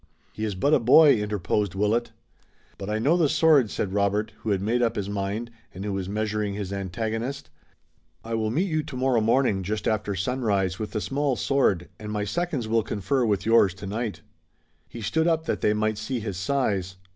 "He is but a boy," interposed Willet. "But I know the sword," said Robert, who had made up his mind, and who was measuring his antagonist. "I will meet you tomorrow morning just after sunrise with the small sword, and my seconds will confer with yours tonight." He stood up that they might see his size.